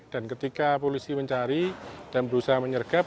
dan ketika polisi mencari dan berusaha menyergap